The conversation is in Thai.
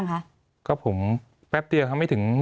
มีความรู้สึกว่ามีความรู้สึกว่า